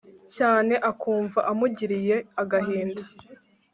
cyane akumva amugiriye agahinda